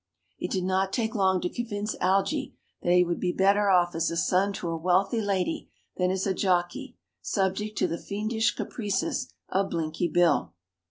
It did not take long to convince Algy that he would be better off as a son to a wealthy lady than as a jockey, subject to the fiendish caprices of Blinky Bill.